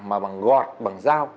mà bằng gọt bằng dao